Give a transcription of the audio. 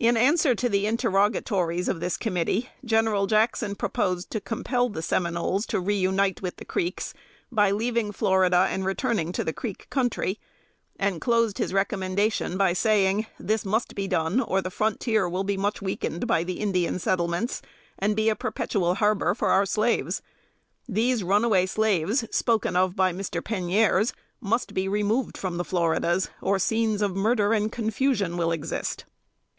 In answer to the interrogatories of this committee, General Jackson proposed to compel the Seminoles to reünite with the Creeks, by leaving Florida and returning to the Creek country; and closed his recommendation by saying, "this must be done, or the frontier will be much weakened by the Indian settlements, and be a perpetual harbor for our slaves. These runaway slaves, spoken of by Mr. Penieres, MUST BE REMOVED from the Floridas, or scenes of murder and confusion will exist."